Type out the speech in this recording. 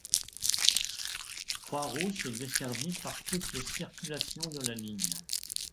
Croix-Rousse est desservie par toutes les circulations de la ligne.